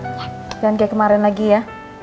jangan kayak kemarin lagi ya